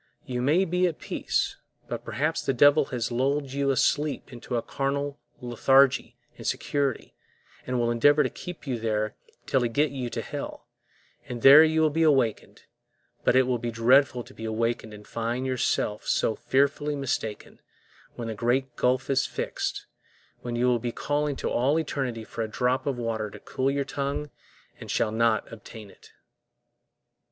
You may be all at peace, but perhaps the devil has lulled you asleep into a carnal lethargy and security, and will endeavor to keep you there till he get you to hell, and there you will be awakened; but it will be dreadful to be awakened and find yourselves so fearfully mistaken, when the great gulf is fixed, when you will be calling to all eternity for a drop of water to cool your tongue and shall not obtain it.